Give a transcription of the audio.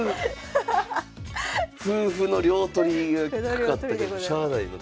歩歩の両取りがかかったけどしゃあないな。